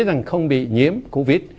rằng không bị nhiễm covid